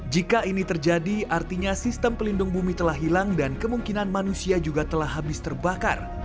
jika ini terjadi artinya sistem pelindung bumi telah hilang dan kemungkinan manusia juga telah habis terbakar